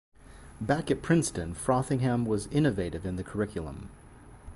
Back at Princeton, Frothingham was innovative in the curriculum.